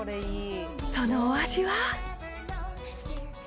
そのお味は。